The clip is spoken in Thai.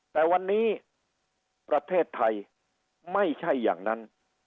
แต่วันนี้ประเทศไทยไม่ใช่อย่างนั้น